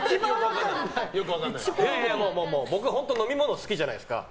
僕、本当に飲み物好きじゃないですか。